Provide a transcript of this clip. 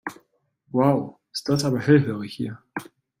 Wow, ist das aber hellhörig hier.